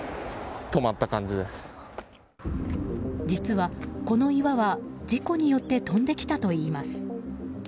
実はこの岩は、事故によって飛んできたといいます。